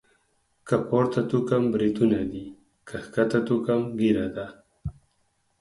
که پورته توکم بريتونه دي.، که کښته توکم ږيره ده.